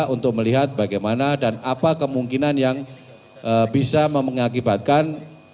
untuk melihat bagaimana dan apa kemungkinan yang bisa mengakibatkan